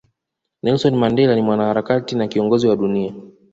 Nelson Mandela ni Mwanaharakati na Kiongozi wa dunia